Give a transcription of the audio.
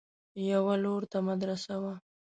يوه لور ته مدرسه وه.